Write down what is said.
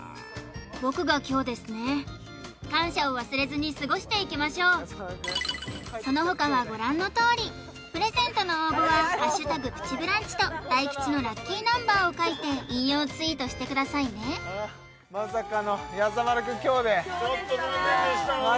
僕が凶ですね感謝を忘れずに過ごしていきましょうその他はご覧のとおりプレゼントの応募は「＃プチブランチ」と大吉のラッキーナンバーを書いて引用ツイートしてくださいねまさかのやさ丸くん凶で凶でしたね